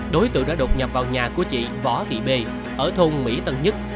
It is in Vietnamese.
đối tượng đã đột nhập vào nhà của chị võ thị bê ở thôn mỹ tân nhất